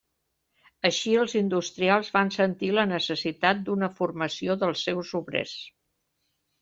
Així els industrials van sentir la necessitat d'una formació dels seus obrers.